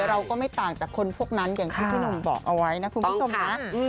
เราก็ไม่ต่างจากคนพวกนั้นอย่างที่พี่หนุ่มบอกเอาไว้นะคุณผู้ชมนะ